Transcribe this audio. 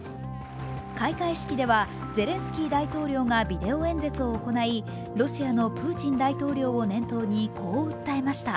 開会式ではゼレンスキー大統領がビデオ演説を行いロシアのプーチン大統領を念頭に、こう訴えました。